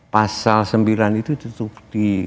pasal sembilan itu ditutup di